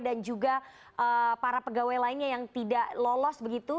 dan juga para pegawai lainnya yang tidak lolos begitu